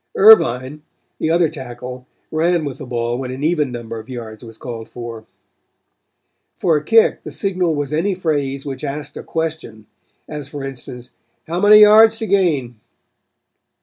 Irvine, the other tackle, ran with the ball when an even number of yards was called for. For a kick the signal was any phrase which asked a question, as for instance, "How many yards to gain?"